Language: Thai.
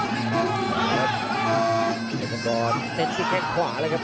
ด้านข้างบอสโดยรอดเต็มสุดแข็งขวาแล้วครับ